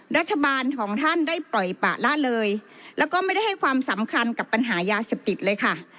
รัฐบาลของท่านได้ปล่อยปะละเลยแล้วก็ไม่ได้ให้ความสำคัญกับปัญหายาเสพติดเลยค่ะ